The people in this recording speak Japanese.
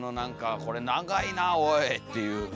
「これ長いなおい」っていう。